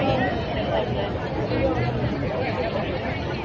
อืม